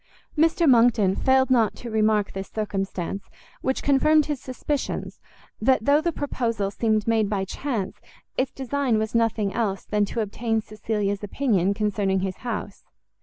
Mr Monckton failed not to remark this circumstance, which confirmed his suspicions, that though the proposal seemed made by chance, its design was nothing else than to obtain Cecilia's opinion concerning his house.